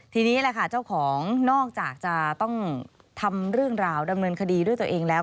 ทีนี้แหละค่ะเจ้าของนอกจากจะต้องทำเรื่องราวดำเนินคดีด้วยตัวเองแล้ว